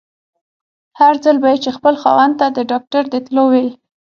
هر ځل به يې چې خپل خاوند ته د ډاکټر د تلو ويل.